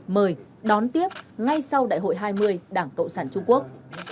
mời đón tiếp ngay sau đại hội hai mươi đảng cộng sản trung quốc